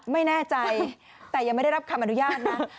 ไม่แน่ใจแต่ยังไม่ได้รับคำอนุญาตนะ